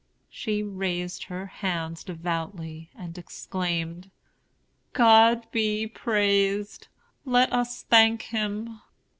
She raised her hands devoutly, and exclaimed, "God be praised! Let us thank Him."